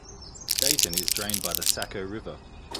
Dayton is drained by the Saco River.